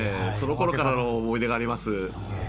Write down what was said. その頃からの思い出があります。